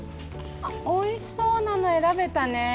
おいしそうなのえらべたね。